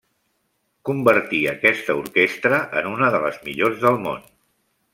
Convertí aquesta orquestra en una de les millors del món.